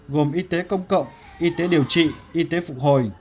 gồm y tế công cộng y tế điều trị y tế phục hồi